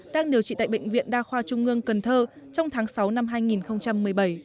đang điều trị tại bệnh viện đa khoa trung ương cần thơ trong tháng sáu năm hai nghìn một mươi bảy